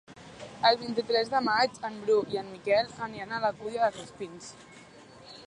El vint-i-tres de maig en Bru i en Miquel aniran a l'Alcúdia de Crespins.